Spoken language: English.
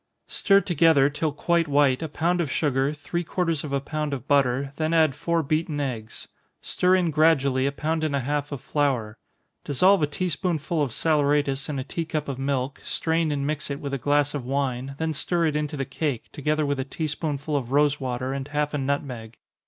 _ Stir together, till quite white, a pound of sugar, three quarters of a pound of butter, then add four beaten eggs. Stir in gradually a pound and a half of flour. Dissolve a tea spoonful of saleratus in a tea cup of milk, strain and mix it with a glass of wine, then stir it into the cake, together with a tea spoonful of rosewater, and half a nutmeg.